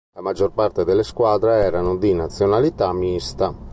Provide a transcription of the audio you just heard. La maggior parte delle squadre erano di nazionalità mista.